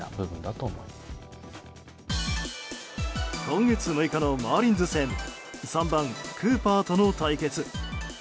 今月６日のマーリンズ戦３番、クーパーとの対決。